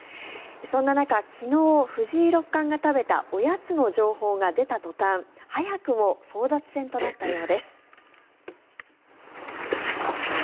そんな中、昨日藤井六冠が食べたおやつの情報が出た途端早くも争奪戦となったようです。